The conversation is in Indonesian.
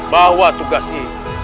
bahwa tugas ini